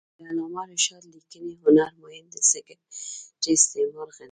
د علامه رشاد لیکنی هنر مهم دی ځکه چې استعمار غندي.